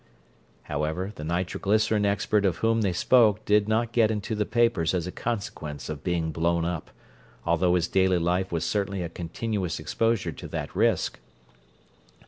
However, the nitroglycerin expert of whom they spoke did not get into the papers as a consequence of being blown up, although his daily life was certainly a continuous exposure to that risk.